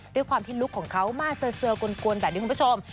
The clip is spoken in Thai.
ด้วยความทิลุกของเขามาเสื้อกุลกุลแต่นี่คุณผู้ชม